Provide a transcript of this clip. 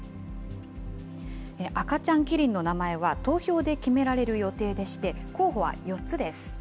赤ちゃんキリンの名前は投票で決められる予定でして、候補は４つです。